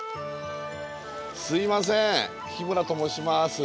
すいません日村と申します。